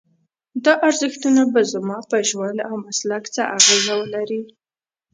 دا ارزښتونه به زما په ژوند او مسلک څه اغېز ولري؟